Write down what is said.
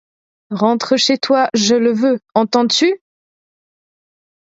Rentre chez toi, je le veux, entends-tu!